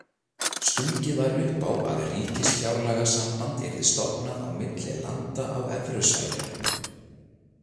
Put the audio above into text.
Stungið var upp á að ríkisfjárlagasamband yrði stofnað á milli landa á evrusvæðinu.